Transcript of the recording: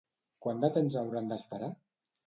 Quant de temps hauran d'esperar?